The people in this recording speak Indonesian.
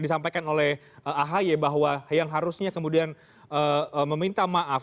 disampaikan oleh ahy bahwa yang harusnya kemudian meminta maaf